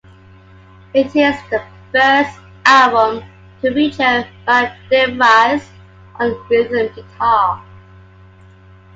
It is the first album to feature Matt DeVries on rhythm guitar.